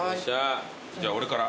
じゃあ俺から。